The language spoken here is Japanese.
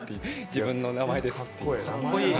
自分の名前ですっていう。